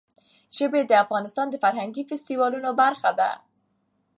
ژبې د افغانستان د فرهنګي فستیوالونو برخه ده.